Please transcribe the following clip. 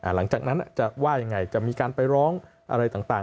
หลังจากนั้นจะว่ายังไงจะมีการไปร้องอะไรต่าง